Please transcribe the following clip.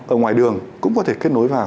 ở ngoài đường cũng có thể kết nối vào